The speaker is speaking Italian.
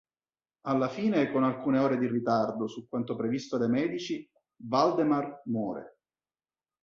Alla fine, con alcune ore di ritardo su quanto previsto dai medici, Valdemar muore.